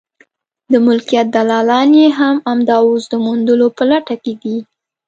د ملکیت دلالان یې همدا اوس د موندلو په لټه کې دي.